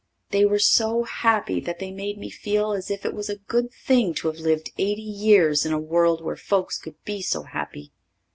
They were so happy that they made me feel as if it was a good thing to have lived eighty years in a world where folks could be so happy.